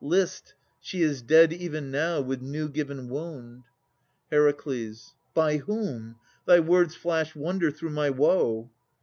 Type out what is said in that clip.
List! She is dead even now with new given wound. HER. By whom? Thy words flash wonder through my woe.